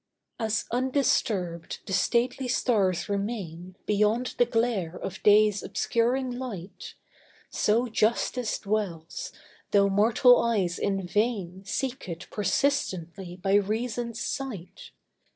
As undisturbed the stately stars remain Beyond the glare of day's obscuring light, So Justice dwells, though mortal eyes in vain Seek it persistently by reason's sight.